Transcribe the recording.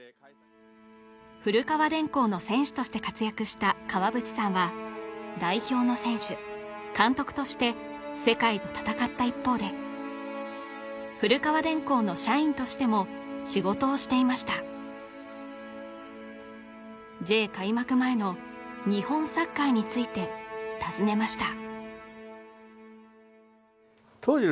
古河電工の選手として活躍した川淵さんは代表の選手監督として世界と戦った一方で古河電工の社員としても仕事をしていましたＪ開幕前の日本サッカーについて尋ねました